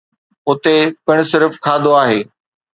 اتي پڻ صرف کاڌو آهي.